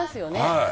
「はい」